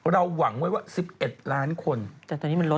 เราหวังไว้ว่า๑๑ล้านคน